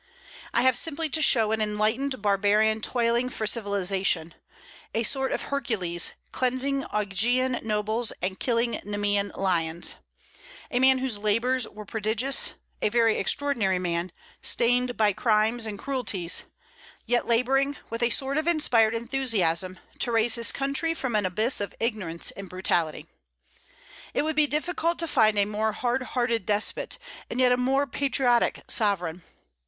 I have simply to show an enlightened barbarian toiling for civilization, a sort of Hercules cleansing Augean stables and killing Nemean lions; a man whose labors were prodigious; a very extraordinary man, stained by crimes and cruelties, yet laboring, with a sort of inspired enthusiasm, to raise his country from an abyss of ignorance and brutality. It would be difficult to find a more hard hearted despot, and yet a more patriotic sovereign.